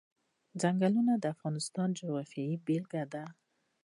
ځنګلونه د افغانستان د جغرافیې بېلګه ده.